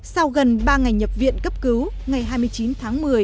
sau gần ba ngày nhập viện cấp cứu ngày hai mươi chín tháng một mươi